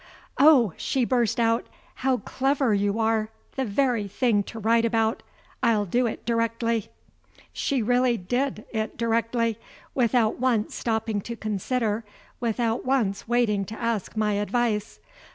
"Oh," she burst out, "how clever you are! The very thing to write about; I'll do it directly." She really did it directly; without once stopping to consider, without once waiting to ask my advice.